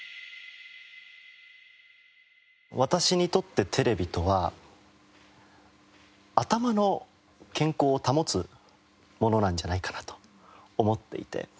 私にとってテレビとは頭の健康を保つものなんじゃないかなと思っていて。